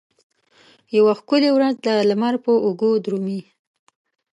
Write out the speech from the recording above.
یوه ښکلې ورځ د لمر په اوږو درومې